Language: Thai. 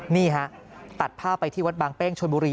นี่ฮะตัดภาพไปที่วัดบางเป้งชนบุรี